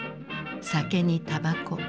酒にたばこ。